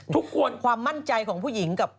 ความมั่นใจของผู้หญิงกับ